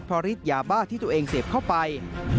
เพราะฤทธิยาบ้าที่ตัวเองเสพเข้าไป